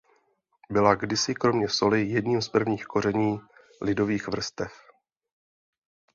Byla kdysi kromě soli jedním z prvních koření lidových vrstev.